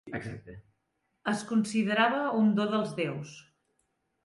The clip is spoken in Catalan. Es considerava un do dels déus.